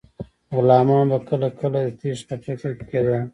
غلامان به کله کله د تیښتې په فکر کې کیدل.